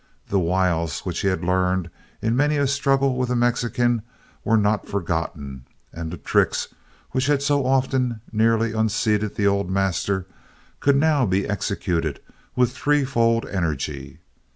The wiles which he had learned in many a struggle with the Mexican were not forgotten and the tricks which had so often nearly unseated the old master could now be executed with threefold energy.